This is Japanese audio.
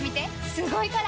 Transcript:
すごいから！